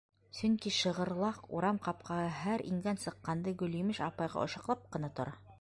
Сөнки шығырлаҡ урам ҡапҡаһы һәр ингән-сыҡҡанды Гөлйемеш апайға ошаҡлап ҡына тора.